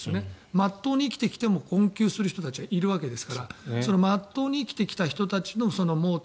真っ当に生きてきても困窮する人たちはいるわけですから真っ当に生きてきた人たちの盲点